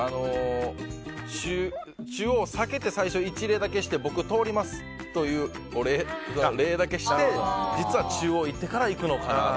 中央を避けて最初、一礼だけして僕、通りますという礼だけして実は、中央を行ってから行くのかなと。